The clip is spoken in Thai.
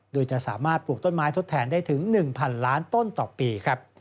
โดยจะสามารถปลูกต้นไม้ทดแทนได้ถึง๑๐๐๐ล้านต้นต่อปีครับ